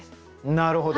なるほど。